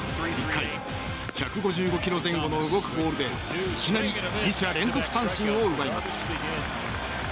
１回、１５５キロ前後の動くボールでいきなり２者連続三振を奪います。